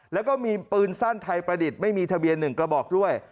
แล้วก็มีปืนสั้นไทยประดิษฐ์ไม่มีทะเบียน๑กระบอกด้วย